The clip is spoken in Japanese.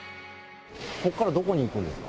ここからどこに行くんですか。